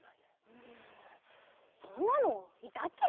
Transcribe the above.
うんそんなのいたっけ？